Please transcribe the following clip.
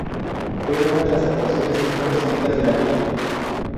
Fue una de las actuaciones mejor recibidas de la gira.